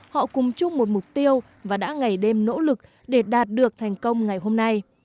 họ cùng chung một mục tiêu và đã ngày đêm nỗ lực để đạt được thành công ngày hôm nay